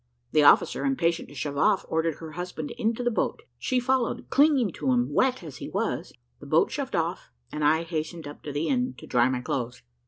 The officer, impatient to shove off, ordered her husband into the boat she followed, clinging to him, wet as he was the boat shoved off, and I hastened up to the inn to dry my clothes.